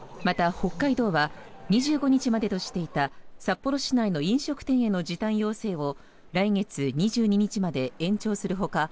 北海道は２５日までとしていた札幌市内の飲食店への時短要請を来月２２日まで延長するほか